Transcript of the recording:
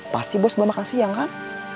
pasti bos bawa makasih yang kan